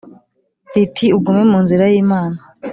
Riti ugume mu nzira y imana